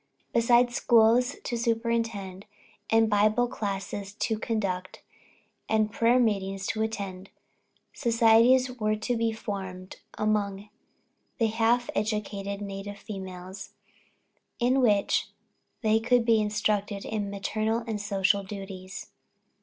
Beside schools to superintend, and Bible classes to conduct, and prayer meetings to attend, societies were to be formed among the half educated native females in which they could be instructed in maternal and social duties.